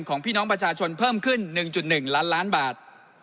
พี่น้องประชาชนเพิ่มขึ้น๑๑ล้านล้านบาท